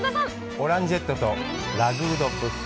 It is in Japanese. オランジェットとラグー・ドゥ・ブッフ。